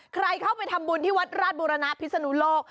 ใครเข้าไปทำบุญที่วัดราชบุรณะพิศนุโลก